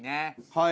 はい。